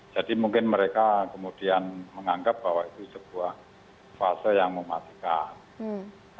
jadi mungkin mereka kemudian menganggap bahwa itu sebuah fase yang mematikan